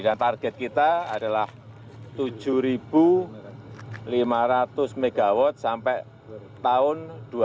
dan target kita adalah tujuh lima ratus mw sampai tahun dua ribu dua puluh lima